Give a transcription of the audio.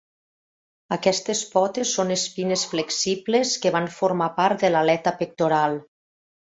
Aquestes potes són espines flexibles que van formar part de l'aleta pectoral.